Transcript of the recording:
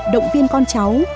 động viên con cháu